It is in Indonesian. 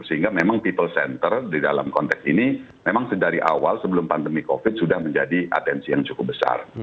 sehingga memang people center di dalam konteks ini memang dari awal sebelum pandemi covid sudah menjadi atensi yang cukup besar